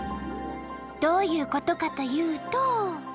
どういうことかというと。